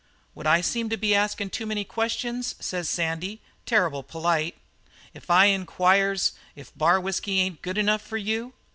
"'Would I seem to be askin' too many questions,' says Sandy, terrible polite, 'if I inquires if bar whisky ain't good enough for you?'